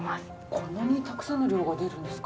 こんなにたくさんの量が出るんですか？